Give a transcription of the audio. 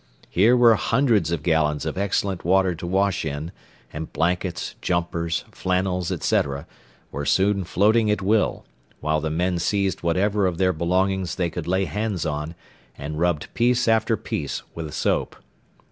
Here were hundreds of gallons of excellent water to wash in, and blankets, jumpers, flannels, etc., were soon floating at will, while the men seized whatever of their belongings they could lay hands on, and rubbed piece after piece with soap.